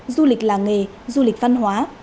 du lịch làng nghề du lịch văn hóa